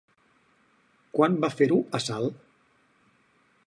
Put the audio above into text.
Quan va fer-ho a Salt?